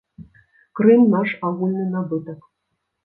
Крым наш агульны набытак.